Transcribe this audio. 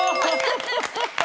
ハハハハ！